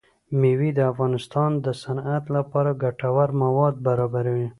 مېوې د افغانستان د صنعت لپاره ګټور مواد برابروي.